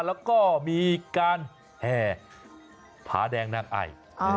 แล้วก็มีการแห่ผาแดงนางไอ